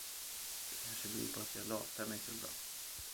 Det kanske beror på att jag latar mig så bra.